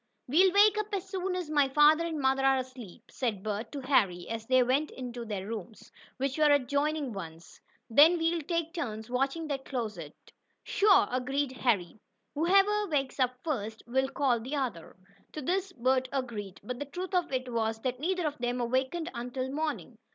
"We'll wake up as soon as my father and mother are asleep," said Bert to Harry, as they went to their rooms, which were adjoining ones. "Then we'll take turns watching that closet." "Sure," agreed Harry. "Whoever wakes up first, will call the other." To this Bert agreed, but the truth of it was that neither of them awakened until morning.